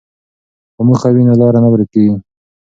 که موخه وي نو لاره نه ورکېږي.